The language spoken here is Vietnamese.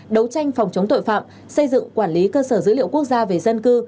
đấu tranh phòng chống tội phạm xây dựng quản lý cơ sở dữ liệu quốc gia về dân cư